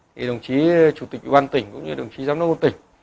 thì đồng chí chủ tịch ủy ban tỉnh cũng như đồng chí giám đốc tỉnh